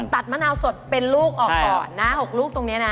มะนาวสดเป็นลูกออกก่อนนะ๖ลูกตรงนี้นะ